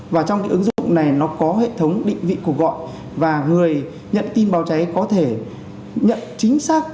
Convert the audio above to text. và trong ứng dụng này có hệ thống định vị của gọi và người nhận tin báo cháy có thể nhận chính xác